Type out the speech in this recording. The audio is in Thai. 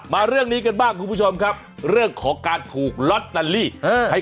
เอ่อมาเรื่องนี้กันบ้างคุณผู้ชมครับเรื่องขอการถูกล็อตตานลี่